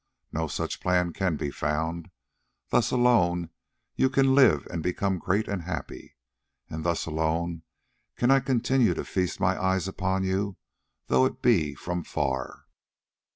No such plan can be found; thus alone can you live and become great and happy; and thus alone can I continue to feast my eyes upon you, though it be from far."